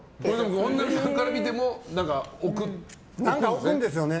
本並さんから見ても置くんですね。